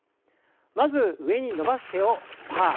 まず上に伸ばす手をパー。